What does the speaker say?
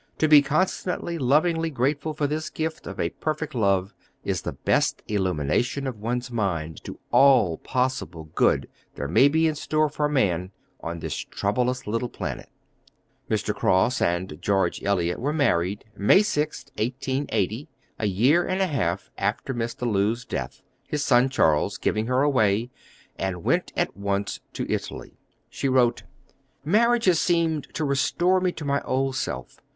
To be constantly, lovingly grateful for this gift of a perfect love is the best illumination of one's mind to all the possible good there may be in store for man on this troublous little planet." Mr. Cross and George Eliot were married, May 6, 1880, a year and a half after Mr. Lewes' death, his son Charles giving her away, and went at once to Italy. She wrote: "Marriage has seemed to restore me to my old self....